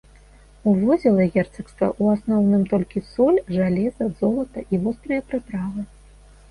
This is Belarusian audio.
Увозіла герцагства ў асноўным толькі соль, жалеза, золата і вострыя прыправы.